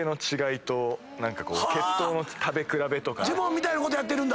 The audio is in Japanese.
ジモンみたいなことやってるんだ？